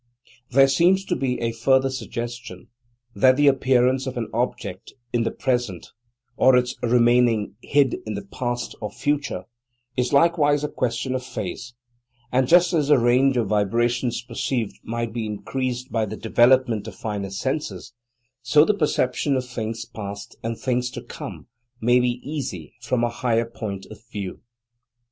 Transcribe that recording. There seems to be a further suggestion that the appearance of an object in the "present," or its remaining hid in the "past," or "future," is likewise a question of phase, and, just as the range of vibrations perceived might be increased by the development of finer senses, so the perception of things past, and things to come, may be easy from a higher point of view.